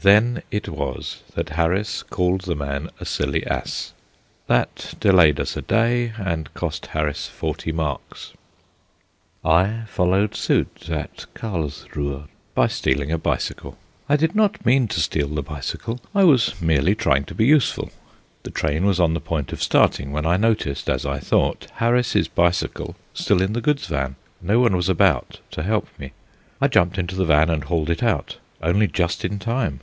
Then it was that Harris called the man a silly ass. That delayed us a day, and cost Harris forty marks. I followed suit at Carlsruhe, by stealing a bicycle. I did not mean to steal the bicycle; I was merely trying to be useful. The train was on the point of starting when I noticed, as I thought, Harris's bicycle still in the goods van. No one was about to help me. I jumped into the van and hauled it out, only just in time.